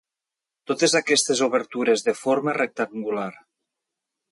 Totes aquestes obertures de forma rectangular.